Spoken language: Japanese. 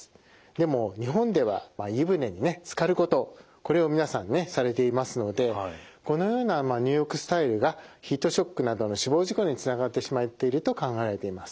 でも日本では湯船につかることこれを皆さんされていますのでこのような入浴スタイルがヒートショックなどの死亡事故につながってしまっていると考えられています。